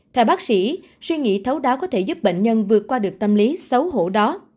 theo bác sĩ suy nghĩ thấu đáo có thể giúp bệnh nhân vượt qua được tâm lý xấu hổ đó